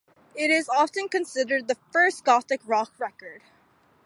It is often considered the first gothic rock record.